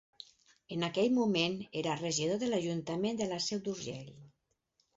En aquell moment era regidor de l'Ajuntament de la Seu d'Urgell.